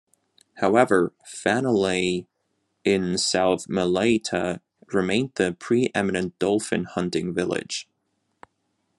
However, Fanalei in South Malaita remained the preeminent dolphin hunting village.